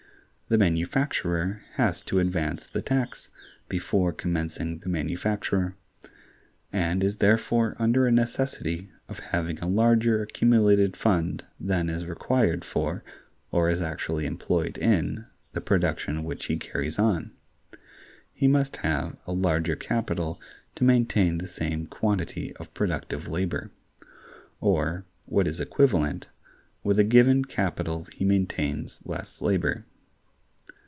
The manufacturer has to advance the tax, before commencing the manufacture, and is therefore under a necessity of having a larger accumulated fund than is required for, or is actually employed in, the production which he carries on. He must have a larger capital to maintain the same quantity of productive labor; or (what is equivalent) with a given capital he maintains less labor.